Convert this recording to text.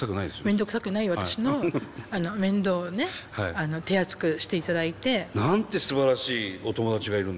面倒くさくない私の面倒をね手厚くしていただいて。なんてすばらしいお友達がいるんですか。